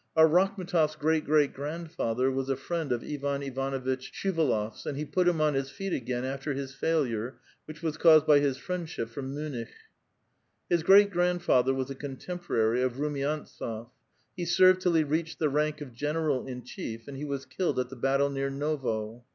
Our !Rakhm^tof's great great grandfather was a friend of Ivan Ivanovitch Shuvdlofs,^ and he put him on his feet again after Ills failure, which was caused bj' his friendship for Muennich. His great grandfather was a contemporary of Rumiantsof; lie served till he reached the rank of general in chief, and he ^was killed at the battle near Novo.